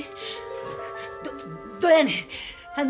どどうやねん。